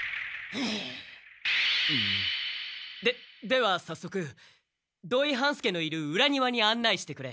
でではさっそく土井半助のいる裏庭にあんないしてくれ。